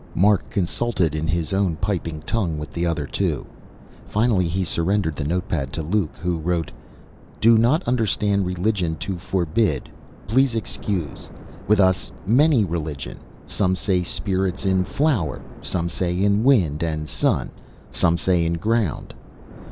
Mark consulted in his own piping tongue with the other two. Finally he surrendered the note pad to Luke, who wrote: "Do not understand religion to forbid, please excuse. With us many religion, some say spirits in flower, some say in wind and sun, some say in ground.